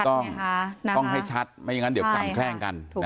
ต้องให้ชัดไม่งั้นเดี๋ยวกลางแคล้งกัน